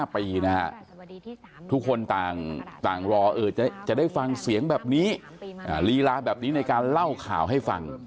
ทุกคนต่างรอจะได้ฟังเสียงแบบนี้ลีลาแบบนี้ในการเล่าข่าวให้ฟัง